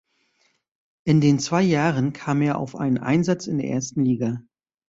In den zwei Jahren kam er auf einen Einsatz in der ersten Liga.